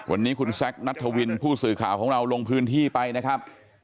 วันนี้คุณแซคนัทธวินผู้สื่อข่าวของเราลงพื้นที่ไปนะครับ